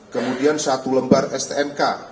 kemudian satu lembar stnk